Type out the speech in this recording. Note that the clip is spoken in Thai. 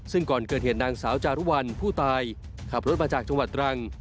ซึ่งก่อนเกิดเหตุนางสาวจารุวัลผู้ตายขับรถมาจากจังหวัดตรัง